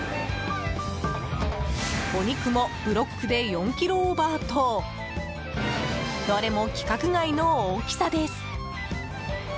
お肉もブロックで４ｋｇオーバーとどれも規格外の大きさです。